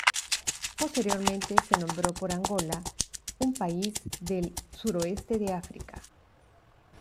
Posteriormente se nombró por Angola, un país del suroeste de África.